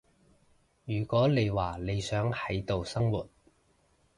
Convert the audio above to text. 如果你話你想喺度生活